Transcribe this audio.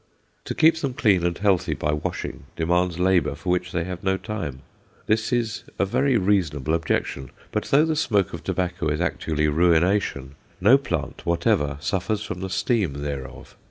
To keep them clean and healthy by washing demands labour for which they have no time. This is a very reasonable objection. But though the smoke of tobacco is actual ruination, no plant whatever suffers from the steam thereof.